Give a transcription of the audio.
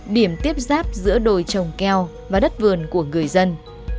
điểm tiếp giáp giữa đồi trồng keo và đất vườn của người dân